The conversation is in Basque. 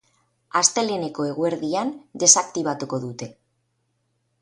Asteleheneko eguerdian desaktibatuko dute.